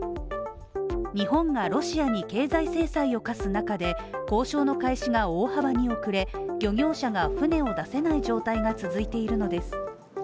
日本がロシアに経済制裁を科す中で交渉の開始が大幅に遅れ、漁業者が船を出せない状態が続いているのです。